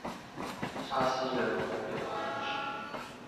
沙西人口变化图示